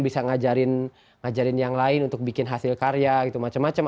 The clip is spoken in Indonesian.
bisa ngajarin yang lain untuk bikin hasil karya gitu macam macam